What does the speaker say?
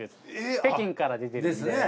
北京から出てるので。